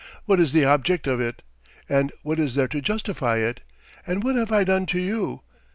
"What is the object of it? And what is there to justify it? And what have I done to you?